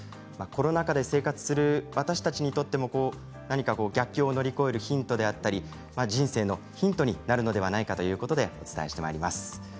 コロナ禍で生活する私たちにとっても何か逆境を乗り越えるヒントがあったり人生のヒントになるのではないかということでお伝えしてまいります。